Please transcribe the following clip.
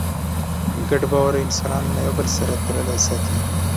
ګډ باور انسانان له یوه بل سره تړلي ساتي.